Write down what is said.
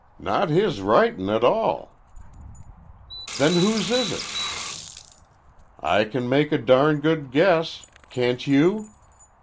"Not his writin' a tall." "Then whose is it?" "I can make a darn good guess. Can't you?"